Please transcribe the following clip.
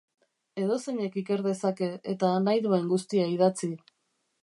Edozeinek iker dezake, eta nahi duen guztia idatzi.